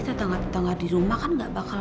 tetangga tetangga di rumah kan gak bakalan